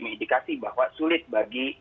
mendikasi bahwa sulit bagi